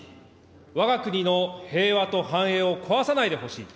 わが国の平和と繁栄を壊さないでほしい。